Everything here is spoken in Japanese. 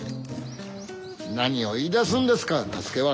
何を言いだすんですか太助は！